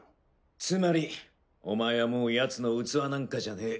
つまりお前はもうヤツの器なんかじゃねえ。